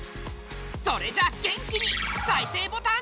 それじゃあ元気に再生ボタン。